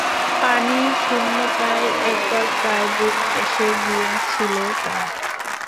পানিশূন্যতায় একবার প্রায় বমি এসে গিয়েছিল তাঁর।